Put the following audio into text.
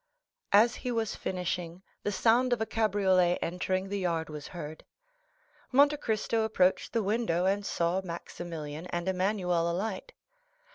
As he was finishing, the sound of a cabriolet entering the yard was heard. Monte Cristo approached the window, and saw Maximilian and Emmanuel alight.